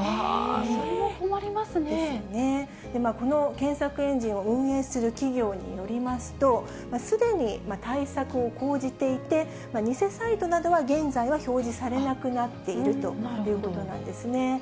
この検索エンジンを運営する企業によりますと、すでに対策を講じていて、偽サイトなどは現在は表示されなくなっているということなんですね。